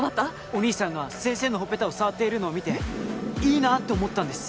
お兄さんが先生のほっぺたを触っているのを見ていいなあって思ったんです